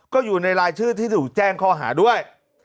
ก็อยู่ในรายชื่อที่ถูกแจ้งข้อหาด้วย